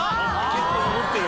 結構残ってる。